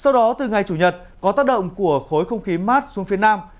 sau đó từ ngày chủ nhật có tác động của khối không khí mát xuống phía nam